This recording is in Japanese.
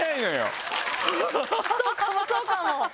そうかもそうかも！